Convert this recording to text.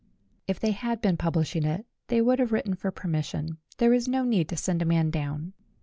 If they had been publishing it they would have written for permission there was no need to send a man down.